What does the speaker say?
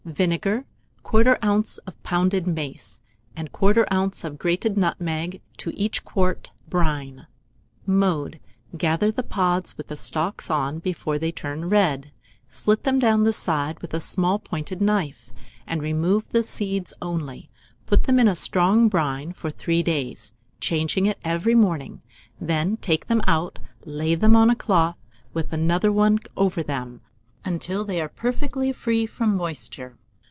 Vinegar, 1/4 oz. of pounded mace, and 1/4 oz. of grated nutmeg, to each quart; brine. Mode. Gather the pods with the stalks on, before they turn red; slit them down the side with a small pointed knife, and remove the seeds only; put them in a strong brine for 3 days, changing it every morning; then take them out, lay them on a cloth, with another one over them, until they are perfectly free from moisture.